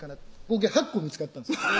合計８個見つかったんです